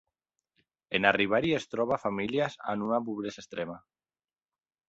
En arribar-hi es troba famílies en una pobresa extrema.